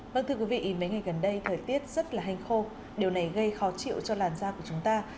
vâng thưa quý vị mấy ngày gần đây thời tiết rất là hanh khô điều này gây khó chịu cho làn da của chúng ta